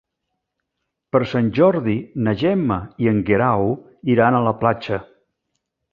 Per Sant Jordi na Gemma i en Guerau iran a la platja.